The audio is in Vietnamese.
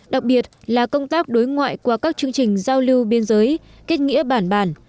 đặc biệt là công tác đối ngoại qua các chương trình giao lưu biên giới kết nghĩa bản bản